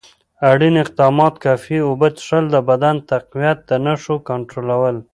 اړین اقدامات: کافي اوبه څښل، د بدن تقویت، د نښو کنټرول.